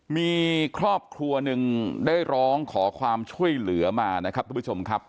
มีครอบครัวหนึ่งได้ร้องขอความช่วยเหลือมานะครับทุกผู้ชมครับ